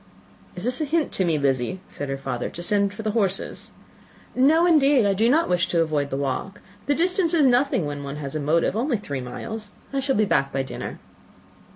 "Is this a hint to me, Lizzy," said her father, "to send for the horses?" "No, indeed. I do not wish to avoid the walk. The distance is nothing, when one has a motive; only three miles. I shall be back by dinner."